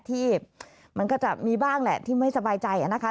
ที่มันก็จะมีบ้างแหละที่ไม่สบายใจนะคะ